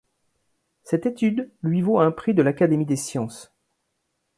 Cette étude lui vaut un prix de l'Académie des sciences.